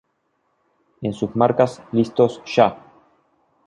En sus marcas, listos, ya!